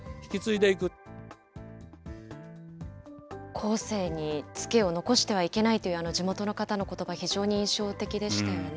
後世に付けを残してはいけないという、あの地元の方のことば、非常に印象的でしたよね。